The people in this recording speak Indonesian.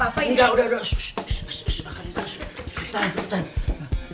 pak reti terus ikutin